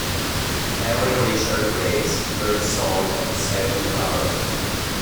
Henry Richard Graves, third son of the second Baron.